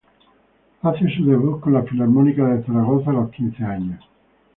Hace su debut con la Filarmónica de Zaragoza a los quince años.